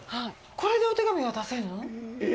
これでお手紙が出せるの？